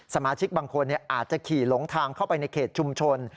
สมาชิกบางคนอาจจะขี่หลงทางเข้าไปในเขตชุมชน